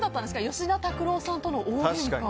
吉田拓郎さんとの大げんか。